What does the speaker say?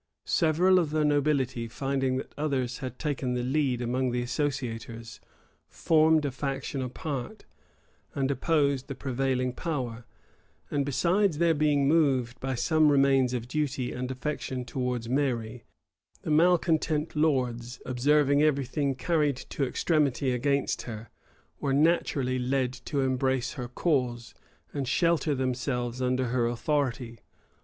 Several of the nobility, finding that others had taken the lead among the associators, formed a faction apart, and opposed the prevailing power; and besides their being moved by some remains of duty and affection towards Mary, the malecontent lords, observing every thing carried to extremity against her, were naturally led to embrace her cause, and shelter themselves under her authority.